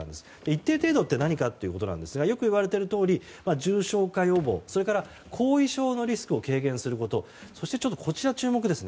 一定程度って何かということなんですがよくいわれているとおり重症化予防それから後遺症のリスクを軽減することそして、こちら注目です。